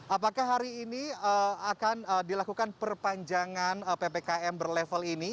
apakah hari ini akan dilakukan perpanjangan ppkm berlevel ini